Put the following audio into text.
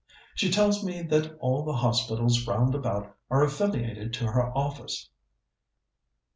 She tells me that all the hospitals round about are affiliated to her office."